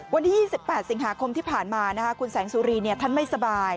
วันที่๒๘สิงหาคมที่ผ่านมาคุณแสงสุรีท่านไม่สบาย